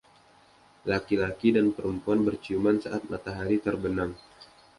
Laki-laki dan perempuan berciuman saat matahari terbenam.